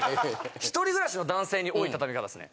１人暮らしの男性に多い畳み方ですね。